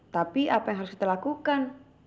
tapi apa yang harus kita lakukan